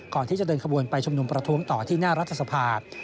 ก่อนที่จะเดินขบวนไปชุมนุมประท้วงต่อที่หน้ารัฐสภา